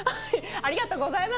ありがとうございます。